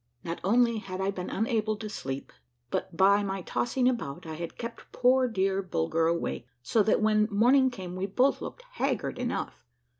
Not only had I been unable to sleep, but by my tossing about I had kept poor dear Bulger awake so that when morning came we both looked haggard enough.